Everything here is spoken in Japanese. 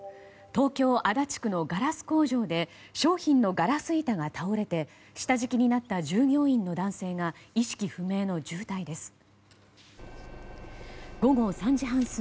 東京・足立区のガラス工場で商品のガラス板が倒れて下敷きになった従業員の男性が意識不明の重体です。